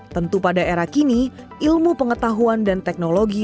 tentu pada era kini ilmu pengetahuan dan teknologi